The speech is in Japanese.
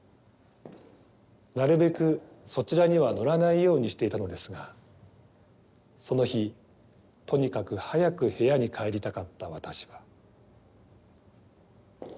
なるべくそちらには乗らないようにしていたのですがその日とにかく早く部屋に帰りたかった私は。